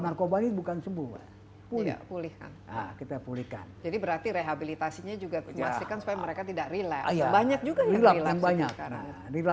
narkoba ini bukan semua punya pulihkan kita pulihkan jadi berarti rehabilitasinya juga